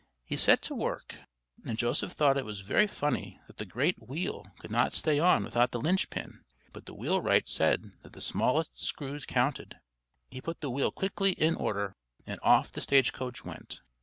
He set to work, and Joseph thought it was very funny that the great wheel could not stay on without the linch pin; but the wheelwright said that the smallest screws counted. He put the wheel quickly in order, and off the stage coach went.